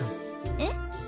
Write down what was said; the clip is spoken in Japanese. えっ？